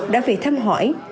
đã về thăm hỏi